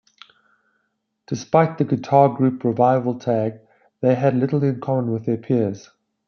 Despite the "guitar group revival" tag, they had little in common with their peers.